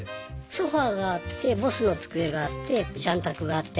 ソファーがあってボスの机があってジャン卓があって。